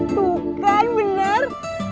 tuh kan benar